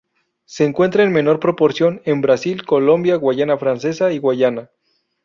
Se encuentra en menor proporción en Brasil, Colombia, Guayana Francesa y Guyana.